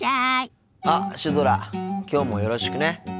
あっシュドラきょうもよろしくね。